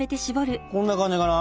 こんな感じかな？